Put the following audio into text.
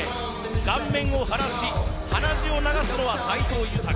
顔面を腫らし鼻血を流すのは斎藤裕。